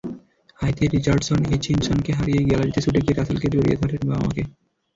হাইতির রিচার্ডসন হিচিনসকে হারিয়েই গ্যালারিতে ছুটে গিয়ে রাসেল জড়িয়ে ধরেন বাবা-মাকে।